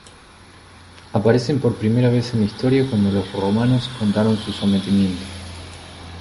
Aparecen por primera vez en la historia cuando los romanos contaron su sometimiento.